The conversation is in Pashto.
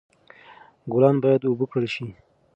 ګلان باید اوبه کړل شي.